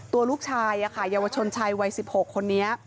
ตัวลูกชายเยาวชนชายวัย๑๖คนนี้